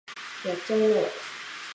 やっちゃいなよ